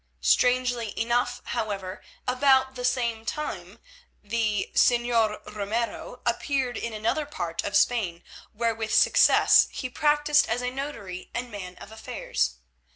Strangely enough, however, about the same time the Señor Ramiro appeared in another part of Spain, where with success he practised as a notary and man of affairs.